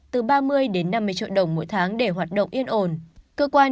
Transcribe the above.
từ ba mươi năm mươi triệu đồng mỗi tháng để hoạt động yên ồn